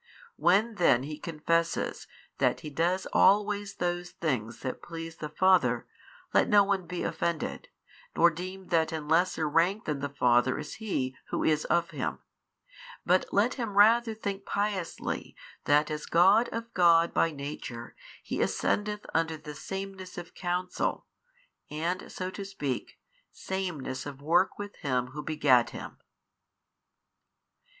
When then He confesses that He does always those things that please the Father, let no one be offended, nor deem that in lesser rank than the Father is He who is of Him, but let him rather think piously that as God of God by Nature He ascendeth unto the sameness of counsel and (so to speak) sameness of work with Him Who begat Him.